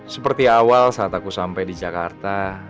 seperti awal saat aku sampai di jakarta